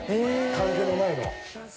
関係のないのを。